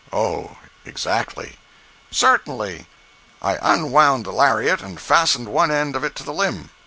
"Oh—exactly." "Certainly. I unwound the lariat, and fastened one end of it to the limb.